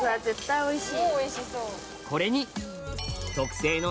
おいしい？